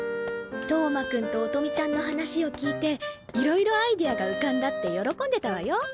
投馬君と音美ちゃんの話を聞いて色々アイデアが浮かんだって喜んでたわよ。